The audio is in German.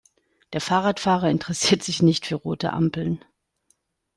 Der Fahrradfahrer interessiert sich nicht für rote Ampeln.